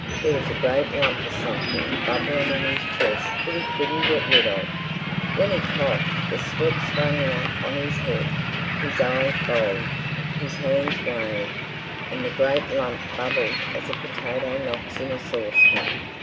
There was a great lump of something bubbling in his chest that he couldn't get rid of. When he coughed the sweat sprang out on his head; his eyes bulged, his hands waved, and the great lump bubbled as a potato knocks in a saucepan.